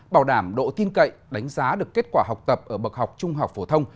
bảo đảm độ tin cậy đánh giá được kết quả học tập ở bậc học trung học phổ thông